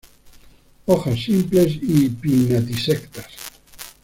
Hojas simples y pinnatisectas.